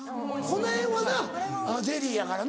このへんはなゼリーやからな。